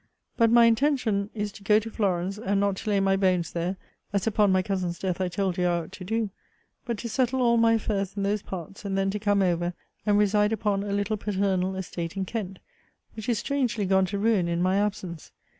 But my intention is to go to Florence; and not to lay my bones there, as upon my cousin's death I told you I thought to do; but to settle all my affairs in those parts, and then to come over, and reside upon a little paternal estate in Kent, which is strangely gone to ruin in my absence.